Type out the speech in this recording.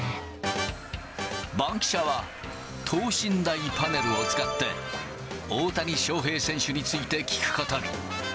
バンキシャは、等身大パネルを使って、大谷翔平選手について聞くことに。